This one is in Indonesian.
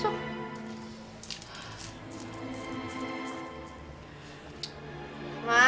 nggak ada apa apa